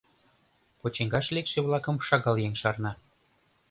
Почиҥгаш лекше-влакым шагал еҥ шарна.